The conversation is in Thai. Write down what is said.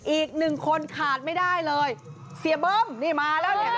อีกหนึ่งคนขาดไม่ได้เลยเสียเบิ้มนี่มาแล้วเนี่ย